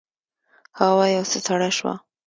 هوا یو څه سړه شوه.